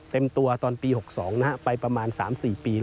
เต็มตัวตอนปี๖๒ไปประมาณ๓๔ปี